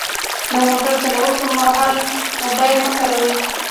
د موټر چلولو پر مهال موبایل مه کاروئ.